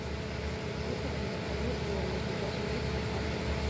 იყო დიაკონი, იოანე ზედაზნელის მოწაფე.